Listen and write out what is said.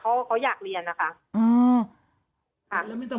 ตอนที่จะไปอยู่โรงเรียนนี้แปลว่าเรียนจบมไหนคะ